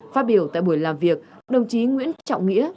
phát biểu tại buổi làm việc đồng chí nguyễn trọng nghĩa